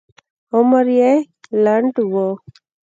عمر یې لنډ و.